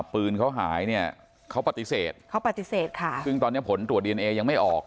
ปืนเขาหายเนี่ยเขาปฏิเสธเขาปฏิเสธค่ะซึ่งตอนเนี้ยผลตรวจดีเอนเอยังไม่ออก